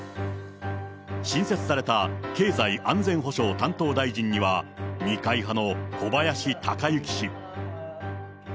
新設された経済安全保障担当大臣には、二階派の小林鷹之氏。